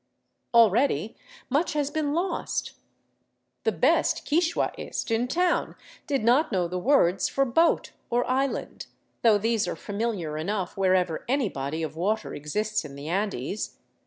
Already much has been lost. The best quichuaist in town did not know the words for boat or island, though these are familiar enough wherever any body of water exists in the Andes.